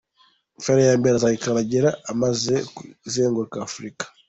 Feri ya mbere azayikandagira amaze kuzenguruka Afurika.